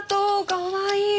かわいい。